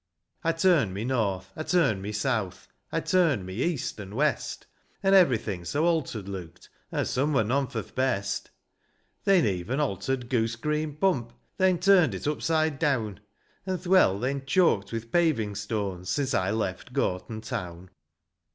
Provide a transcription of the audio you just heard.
I turn'd me north, I turn'd me south, I turn'd me east and west, And everything so alter'd look'd, And some were none for th' best ; SONGS OF LANCASHIRE. 191 They'n even altered Goose Green pump, They'n turn'd it upside down ; And th' well they'n choked with paving stones, Since I left Gorton town.